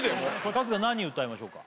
春日何歌いましょうか？